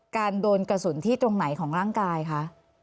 โดนกระสุนที่ตรงไหนของร่างกายคะ